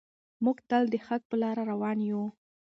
موږ تل د حق په لاره روان یو.